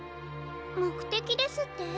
もくてきですって？